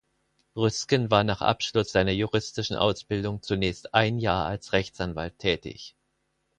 Rüsken war nach Abschluss seiner juristischen Ausbildung zunächst ein Jahr als Rechtsanwalt tätig.